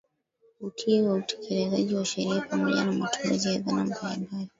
Utii na utekelezaji wa sheria pamoja na matumizi ya dhana mbalimbali